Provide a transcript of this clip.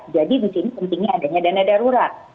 jadi di sini pentingnya adanya dana darurat